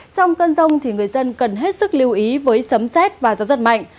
trong cơn rông người dân cần hết sức lưu ý với sấm xét và gió giật mạnh